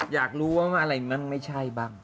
อยากรู้ว่าอะไรมันไม่ใช่บ้าง